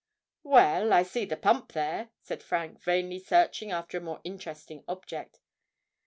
"Well—I see the pump there," said Frank, vainly searching after a more interesting object.